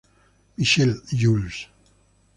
Michelet, Jules.